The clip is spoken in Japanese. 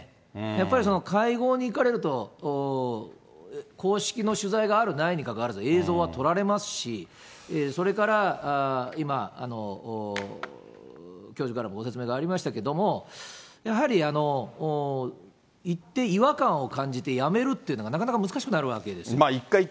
やっぱりその会合に行かれると、公式の取材があるないにかかわらず、映像は撮られますし、それから、今、教授からもご説明がありましたけれども、やはり行って違和感を感じてやめるっていうのはなかなか難しくなるわけですよ。